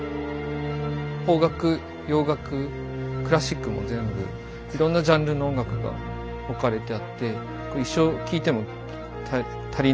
邦楽洋楽クラッシックも全部いろんなジャンルの音楽が置かれてあって。